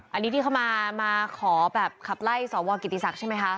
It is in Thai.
อันนี้ที่เขามาขอแบบขับไล่สวกิติศักดิ์ใช่ไหมคะ